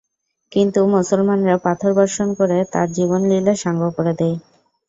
কিন্তু মুসলমানরা পাথর বর্ষণ করে তার জীবনলীলা সাঙ্গ করে দেয়।